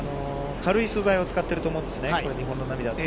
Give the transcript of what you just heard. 軽い素材を使っていると思うんですね、日本の波だと。